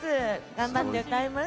頑張って歌います。